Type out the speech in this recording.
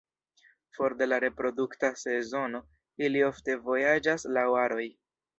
For de la reprodukta sezono, ili ofte vojaĝas laŭ aroj.